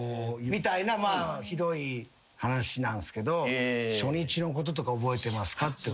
みたいなひどい話なんですけど初日のこととか覚えてますか？